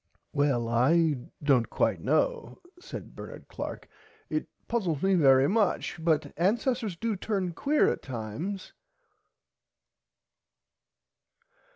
Well I dont quite know said Bernard Clark it puzzles me very much but ancesters do turn quear at times.